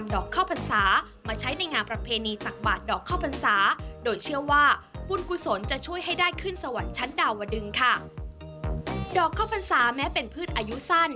ดอกข้าวพรรษาแม้เป็นพืชอายุสั้น